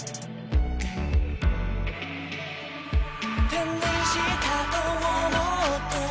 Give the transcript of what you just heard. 「手にしたと思っていても」